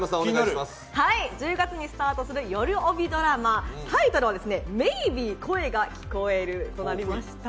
１０月にスタートする夜帯ドラマ、タイトルは「Ｍａｙｂｅ恋が聴こえる」となりました。